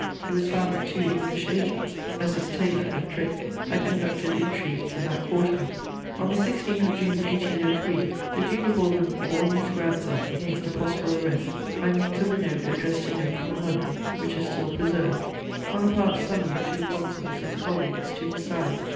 It was found that two English agents, Messrs. Taylor and Drake, had conducted intrigues in that quarter. On the 16th of June 1803 the Duc de Bourbon warned his grandson against a possible arrest by means of a note addressed to him from London, which is still preserved. Bonaparte summoned the two Consuls, his colleagues, to his side.